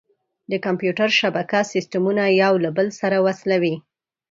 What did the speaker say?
د کمپیوټر شبکه سیسټمونه یو له بل سره وصلوي.